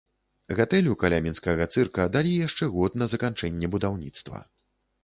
Гатэлю каля мінскага цырка далі яшчэ год на заканчэнне будаўніцтва.